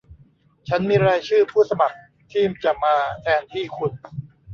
ฉันมีรายชื่อผู้สมัครที่จะมาแทนที่คุณ